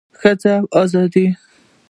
ښځه او ازادي